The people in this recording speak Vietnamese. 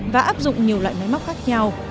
và áp dụng nhiều loại máy móc khác nhau